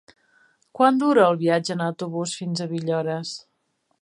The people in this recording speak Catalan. Quant dura el viatge en autobús fins a Villores?